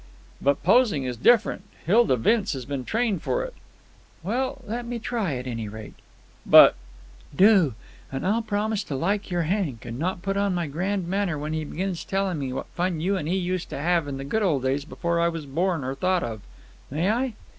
"But posing is different. Hilda Vince has been trained for it." "Well let me try, at any rate." "But——" "Do! And I'll promise to like your Hank and not put on my grand manner when he begins telling me what fun you and he used to have in the good old days before I was born or thought of. May I?"